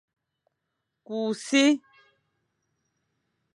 Ku e si.